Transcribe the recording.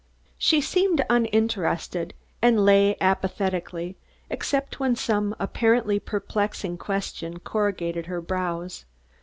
She seemed uninterested and lay apathetically quiescent except when some apparently perplexing question corrugated her brows.